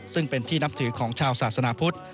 ซึ่งเป็นที่นับถือของชาวศาสนาพุทธ